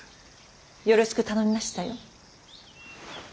よろしく頼みましたよ。